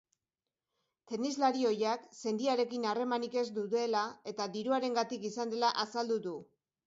Tenislari ohiak sendiarekin harremanik ez duela eta diruarengatik izan dela azaldu du.